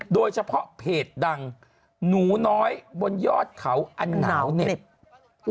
โดยเฉพาะเพจดังหนูน้อยบนยอดเขาอันหนาวเหน็บ